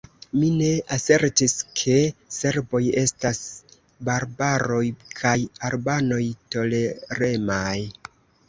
Mi ne asertis, ke serboj estas barbaroj kaj albanoj toleremaj.